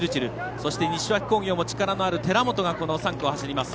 そして、西脇工業も力のある寺本が３区を走ります。